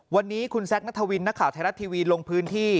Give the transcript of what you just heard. วันนี้คุณแซคนัทวินนักข่าวไทยรัฐทีวีลงพื้นที่